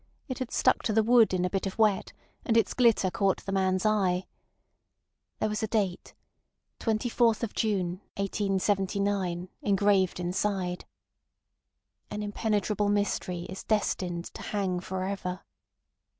It had stuck to the wood in a bit of wet, and its glitter caught the man's eye. There was a date, 24th June 1879, engraved inside. "An impenetrable mystery is destined to hang for ever.